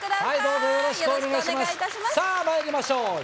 さぁまいりましょう。